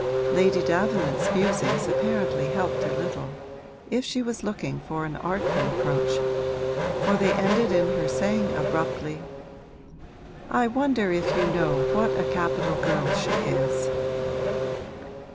Lady Davenant's musings apparently helped her little, if she was looking for an artful approach; for they ended in her saying abruptly, 'I wonder if you know what a capital girl she is.'